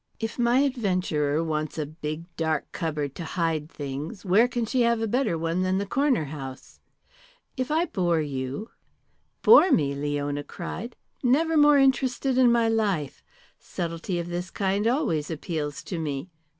If my adventurer wants a big dark cupboard to hide things, where can she have a better one than the Corner House! If I bore you " "Bore me!" Leona cried. "Never more interested in my life. Subtlety of this kind always appeals to me.